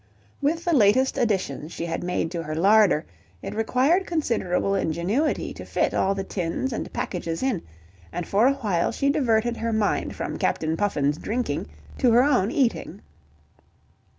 With the latest additions she had made to her larder, it required considerable ingenuity to fit all the tins and packages in, and for a while she diverted her mind from Captain Puffin's drinking to her own eating.